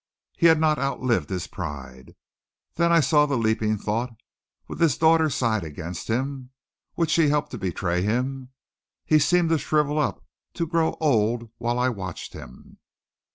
He had not outlived his pride. Then I saw the leaping thought would this daughter side against him? Would she help to betray him? He seemed to shrivel up, to grow old while I watched him.